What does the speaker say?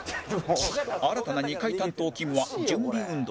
新たな２階担当きむは準備運動